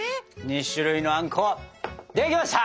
２種類のあんこできました！